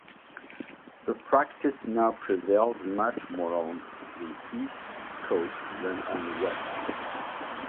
This practice now prevails much more on the east coast than on the west.